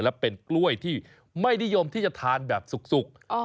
และเป็นกล้วยที่ไม่นิยมที่จะทานแบบสุก